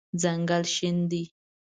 ځنګل شین دی